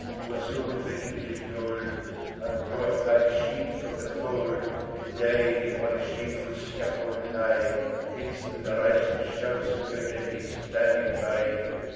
you were sold for English gold, And brought like a sheep from the fold, To die upon a shameful scaffold high, Amidst the derisive shouts of your enemies standing by.